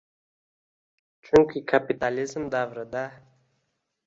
Chunki kapitalizm davrida